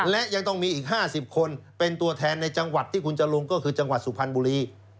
และยังต้องมีอีก๕๐คนเป็นตัวแทนในจังหวัดที่คุณจะลงก็คือจังหวัดสุพรรณบุรี